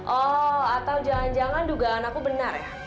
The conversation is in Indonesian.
oh atau jangan jangan dugaan aku benar ya